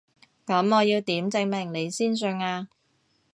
噉我要點證明你先信啊？